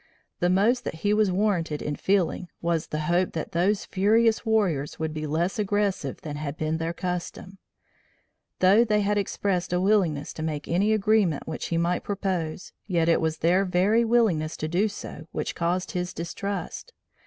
The most that he was warranted in feeling was the hope that those furious warriors would be less aggressive than had been their custom. Though they had expressed a willingness to make any agreement which he might propose, yet it was their very willingness to do so which caused his distrust.